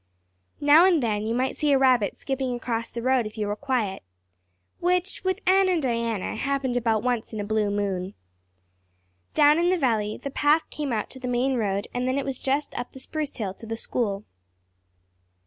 Now and then you might see a rabbit skipping across the road if you were quiet which, with Anne and Diana, happened about once in a blue moon. Down in the valley the path came out to the main road and then it was just up the spruce hill to the school.